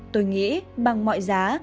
tôi nghĩ bằng mọi giá